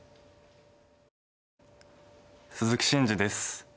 鈴木伸二です。